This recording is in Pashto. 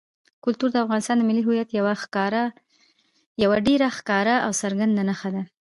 کلتور د افغانستان د ملي هویت یوه ډېره ښکاره او څرګنده نښه ده.